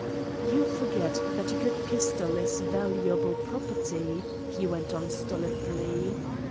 "You forget that a good pistol is valuable property," he went on stolidly.